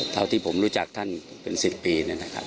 เท่าที่ผมรู้จักท่านเป็น๑๐ปี